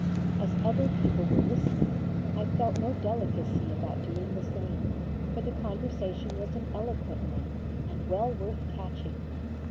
As other people were listening, I felt no delicacy about doing the same, for the conversation was an eloquent one, and well worth catching.